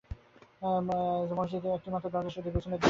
মসজিদের একটিামাত্র দরজা-সেটি পেছন দিকে।